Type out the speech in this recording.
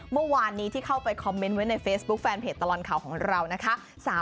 เมื่อวานนี้ที่เข้าไปคอมเมนต์ไว้ในเฟซบุ๊คแฟนเพจตลอดข่าวของเรานะคะ